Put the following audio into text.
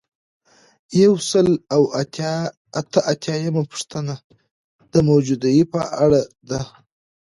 یو سل او اته اتیایمه پوښتنه د موجودیې په اړه ده.